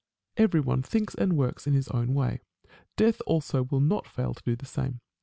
Every one thinks and works in his own way. Death also will not fail to do the same.